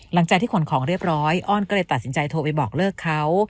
หลังจากที่ขนของเรียบร้อยอ้อนก็เลยตัดสินใจโทรไปบอกเลิกเขา